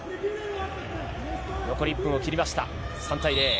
残り１分を切りました３対０。